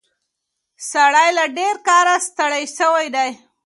سړی له ډېر کاره ستړی شوی دی.